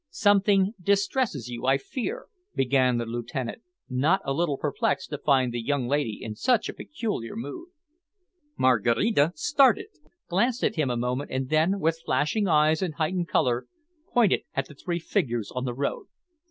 "Something distresses you, I fear," began the lieutenant, not a little perplexed to find the young lady in such a peculiar mood. Maraquita started, glanced at him a moment, and then, with flashing eyes and heightened colour, pointed at the three figures on the road.